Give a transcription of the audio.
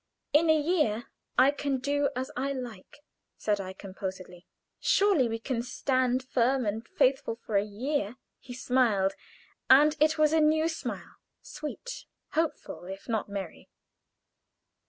In a year I can do as I like," said I, composedly. "Surely we can stand firm and faithful for a year?" He smiled, and it was a new smile sweet, hopeful, if not merry.